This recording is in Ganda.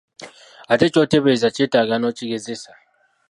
Ate ky'oteberezza kyetaaga n'okigezesa.